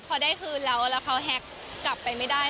พอได้คืนแล้วแล้วเขาแฮ็กกลับไปไม่ได้